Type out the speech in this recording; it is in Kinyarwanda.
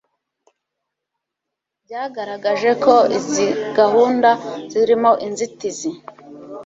byagaragaje ko izi gahunda zirimo inzitizi